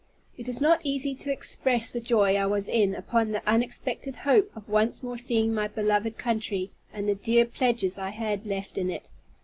It is not easy to express the joy I was in upon the unexpected hope of once more seeing my beloved country, and the dear pledges I had left in it.